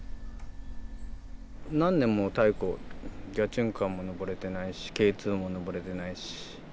何年も妙子ギャチュンカンも登れてないしＫ２も登れてないし